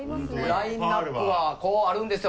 ラインナップはこうあるんですよ